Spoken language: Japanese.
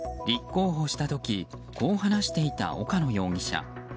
立候補した時こう話していた岡野容疑者。